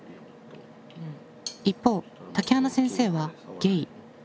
一方竹花先生はゲイ。